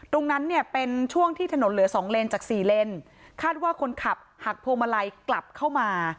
ตรงนั้นเนี่ยเป็นช่วงที่ถนนเหลือสองเลนจากสี่เลนคาดว่าคนขับหักพวงมาลัยกลับเข้ามา